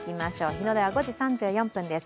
日の出は５時３４分です。